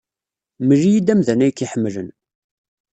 Mel-iyi-d amdan ay k-iḥemmlen.